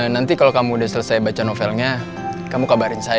nanti kalau kamu udah selesai baca novelnya kamu kabarin saya